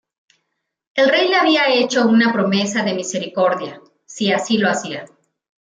El rey le había hecho una "promesa de misericordia" si así lo hacía.